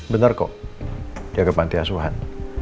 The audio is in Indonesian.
bener kok jaga pantiasuhan